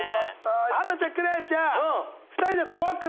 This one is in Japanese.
ハンナちゃんクレアちゃん